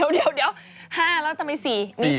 เดี๋ยว๕แล้วทำไม๔มี๓